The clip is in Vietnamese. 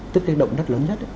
tức cái động đất lớn nhất